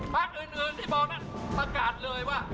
พักอื่นที่บอกนั้นประกาศเลยว่า